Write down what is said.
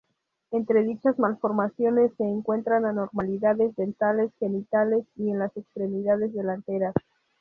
Entre dichas malformaciones se encuentran anormalidades dentales, genitales y en las extremidades delanteras.